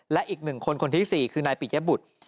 และอีกหนึ่งคนคนที่สี่คือนายปิดยะบุตร